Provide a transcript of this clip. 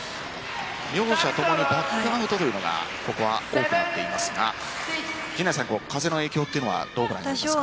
両者ともにバックアウトというのがここは多くなっていますが風の影響というのはどうご覧になりますか？